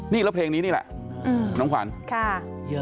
นี่แล้วเพลงนี้นี่แหละน้องขวัญ